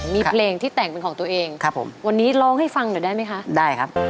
มีเพลงที่แต่งเป็นของตัวเองครับผมวันนี้ร้องให้ฟังหน่อยได้ไหมคะได้ครับ